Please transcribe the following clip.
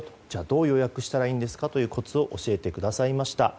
どう予約したらいいのかというコツを教えてくださいました。